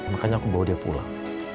makanya aku bawa dia pulang